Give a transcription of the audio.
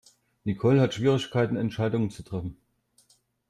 Nicole hat Schwierigkeiten Entscheidungen zu treffen.